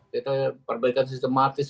kita perbaikan sistematis